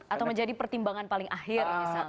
atau menjadi pertimbangan paling akhir